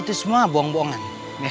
itu semua bohong bohongan